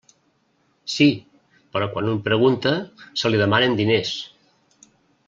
Sí, però quan un pregunta, se li demanen diners.